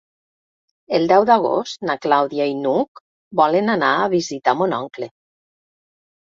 El deu d'agost na Clàudia i n'Hug volen anar a visitar mon oncle.